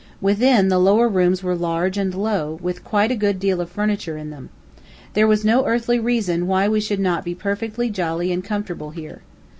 Within, the lower rooms were large and low, with quite a good deal of furniture in them. There was no earthly reason why we should not be perfectly jolly and comfortable here.